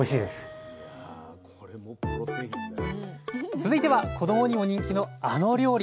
続いては子どもにも人気のあの料理。